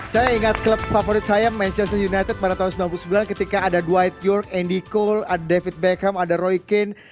saya ingat klub favorit saya manchester united pada tahun seribu sembilan ratus sembilan puluh sembilan ketika ada dwide york andy cole ada david beckham ada roy kane